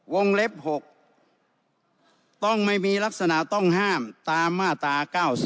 เล็บ๖ต้องไม่มีลักษณะต้องห้ามตามมาตรา๙๔